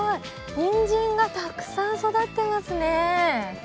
ニンジンがたくさん育ってますね。